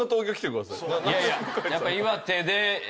いやいややっぱ。